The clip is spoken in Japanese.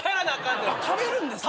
食べるんですか？